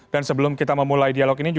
dan sebelum kita memulai dialog ini